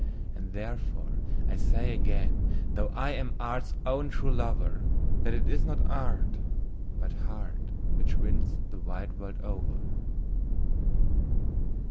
And therefore I say again, though I am art's own true lover, That it is not art, but heart, which wins the wide world over.